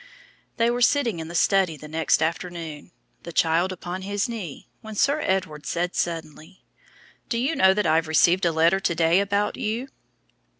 "_ They were sitting in the study the next afternoon, the child upon his knee, when Sir Edward said suddenly, "Do you know that I have received a letter to day about you?"